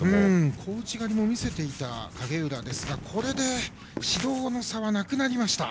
小内刈りも見せていた影浦ですがこれで指導の差はなくなりました。